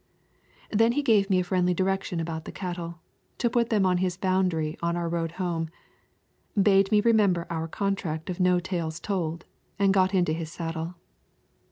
Then he gave me a friendly direction about the cattle, to put them in his boundary on our road home, bade me remember our contract of no tales told, and got into his saddle.